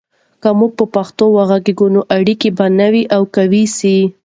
که موږ په پښتو وغږیږو، نو اړیکې به نوي او قوي سي.